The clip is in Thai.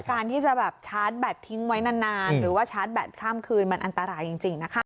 การที่จะแบบชาร์จแบตทิ้งไว้นานหรือว่าชาร์จแบตข้ามคืนมันอันตรายจริงนะคะ